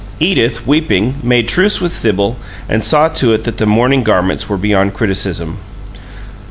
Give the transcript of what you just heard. Edith, weeping, made truce with Sibyl and saw to it that the mourning garments were beyond criticism.